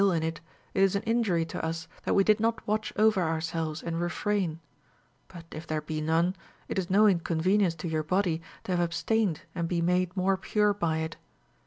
262 RULES FOR THE PRESERVATION OF HEALTH, in it, it is an injury to us that we did not Avatch over our selves and refrain ; but if there be none, it is no incon venience to your body to have abstained and be made more pure by it.